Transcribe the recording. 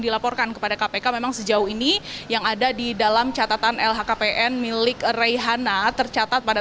dilaporkan kepada kpk memang sejauh ini yang ada di dalam catatan lhkpn milik reihana tercatat pada